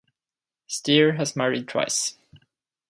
Stier has married twice.